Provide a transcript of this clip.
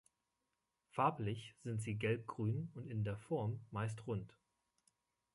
Farblich sind sie gelbgrün und in der Form meist rund.